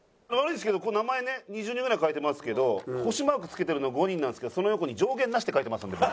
これ名前ね２０人ぐらい書いてますけど星マークつけてるの５人なんですけどその横に上限なしって書いてますんで僕。